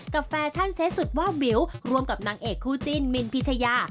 แฟชั่นเซ็ตสุดว่าวิวรวมกับนางเอกคู่จิ้นมินพิชยา